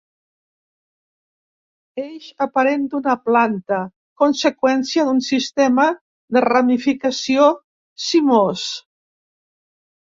Eix aparent d'una planta, conseqüència d'un sistema de ramificació cimós.